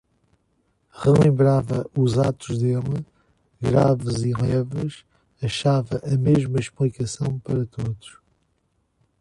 Relembrava os atos dele, graves e leves, achava a mesma explicação para todos.